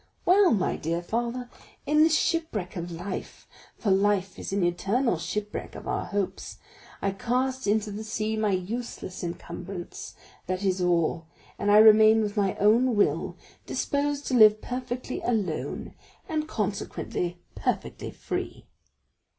Well, my dear father, in the shipwreck of life—for life is an eternal shipwreck of our hopes—I cast into the sea my useless encumbrance, that is all, and I remain with my own will, disposed to live perfectly alone, and consequently perfectly free."